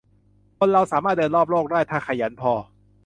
คนเราสามารถเดินรอบโลกได้ ถ้าขยันพอ